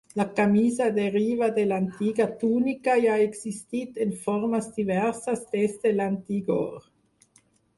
La camisa deriva de l'antiga túnica i ha existit en formes diverses des de l'antigor.